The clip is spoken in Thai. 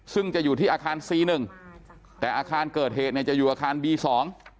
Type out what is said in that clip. ซึ่งจะอยู่ที่อาคารสี่หนึ่งแต่อาคารเกิดเหตุเนี่ยจะอยู่อาคารบีสอง